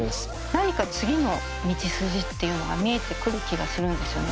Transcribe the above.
何か次の道筋っていうのが見えてくる気がするんですよね。